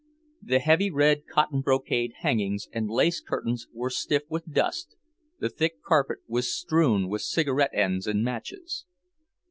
The heavy red cotton brocade hangings and lace curtains were stiff with dust, the thick carpet was strewn with cigarette ends and matches.